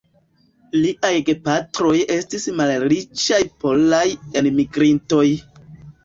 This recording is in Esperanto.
Liaj gepatroj estis malriĉaj polaj elmigrintoj.